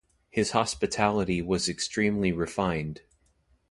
His hospitality was extremely refined.